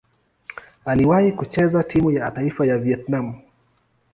Aliwahi kucheza timu ya taifa ya Vietnam.